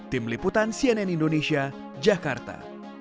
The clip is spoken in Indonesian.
tim liputan cnn indonesia jakarta